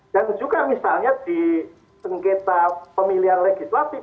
dan juga misalnya di sengketa pemilihan legislatif